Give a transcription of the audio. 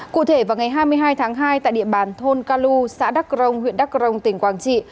cụ thể vào ngày hai mươi hai tháng hai tại địa bàn thôn ca lu xã đắc rông huyện đắc rông tỉnh quảng trị